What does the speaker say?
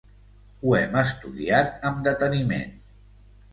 Ho hem estudiat amb deteniment.